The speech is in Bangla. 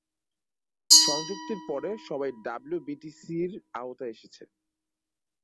সংযুক্তির পরে, সবাই ডাব্লিউ বি টি সি-র আওতায় এসেছে।